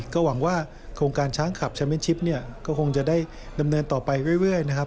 ก็หวังว่าโครงการช้างขับแชมเป็นชิปเนี่ยก็คงจะได้ดำเนินต่อไปเรื่อยนะครับ